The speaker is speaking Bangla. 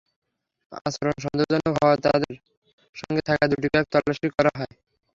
আচরণ সন্দেহজনক হওয়ায় তাঁদের সঙ্গে থাকা দুটি ব্যাগ তল্লাশি করা হয়।